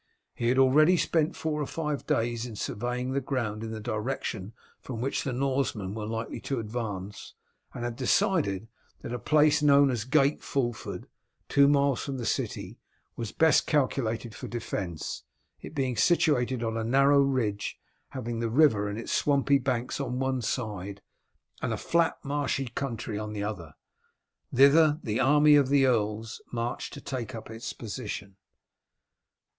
He had already spent four or five days in surveying the ground in the direction from which the Norsemen were likely to advance, and had decided that a place known as Gate Fulford, two miles from the city, was best calculated for defence, it being situated on a narrow ridge, having the river and its swampy banks on one side, and a flat marshy country on the other. Thither the army of the earls marched to take up its position.